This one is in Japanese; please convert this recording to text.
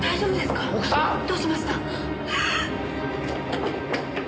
どうしました？